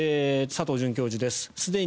佐藤准教授です。